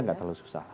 enggak terlalu susah